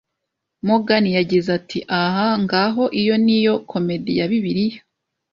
Morgan yagize ati: “Ah, ngaho, iyo ni yo comedi ya Bibiliya.”